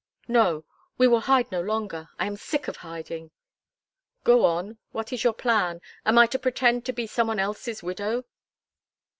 "No. I will hide no longer. I am sick of hiding." "Go on. What is your plan? Am I to pretend to be some one else's widow?"